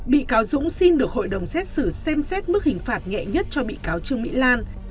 bị cáo dũng xin được hội đồng xét xử xem xét mức hình phạt nhẹ nhất cho bị cáo trương mỹ lan